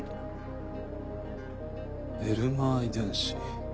「エルマー遺伝子」？